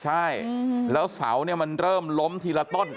ใช่แล้วเสาเนี่ยมันเริ่มล้มทีละต้น